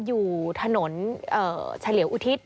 อยู่ถนนเฉลียวอุทิศ